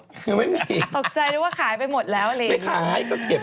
ตกใจว่าขายไปหมดแล้วเลย